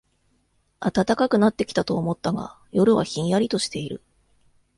暖かくなってきたと思ったが、夜はひんやりとしている